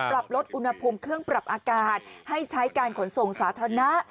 ปรับลดอุณหภูมิเครื่องปรับอากาศให้ใช้การขนส่งสาธารณะ